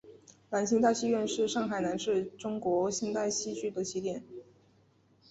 兰心大戏院是上海乃至中国现代戏剧的起点。